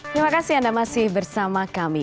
terima kasih anda masih bersama kami